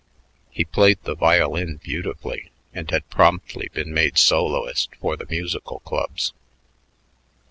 He played the violin beautifully and had promptly been made soloist for the Musical Clubs.